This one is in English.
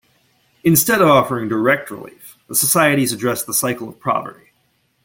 Instead of offering direct relief, the societies addressed the cycle of poverty.